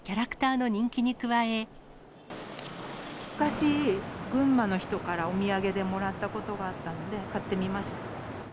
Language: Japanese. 昔、群馬の人からお土産でもらったことがあったので買ってみました。